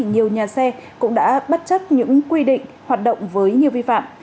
nhiều nhà xe cũng đã bất chấp những quy định hoạt động với nhiều vi phạm